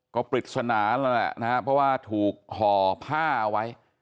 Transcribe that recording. ก็ปริศนาแล้วแหละนะครับเพราะว่าถูกห่อผ้าเอาไว้